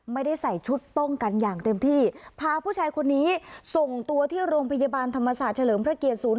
ไม่ได้ใส่ชุดป้องกันอย่างเต็มที่พาผู้ชายคนนี้ส่งตัวที่โรงพยาบาลธรรมศาสตร์เฉลิมพระเกียรติศูนย